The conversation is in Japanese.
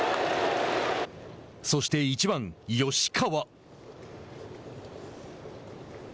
そして、１番吉川。